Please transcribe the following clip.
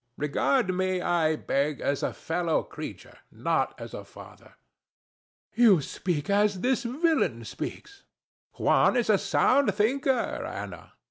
Regard me, I beg, as a fellow creature, not as a father. ANA. You speak as this villain speaks. THE STATUE. Juan is a sound thinker, Ana.